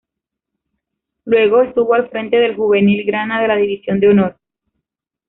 Luego estuvo al frente del juvenil grana de la División de Honor.